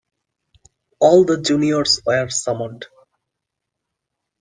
All the juniors were summoned.